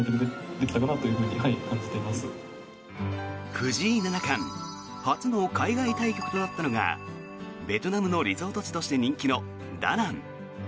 藤井七冠初の海外対局となったのがベトナムのリゾート地として人気のダナン。